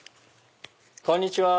こんにちは。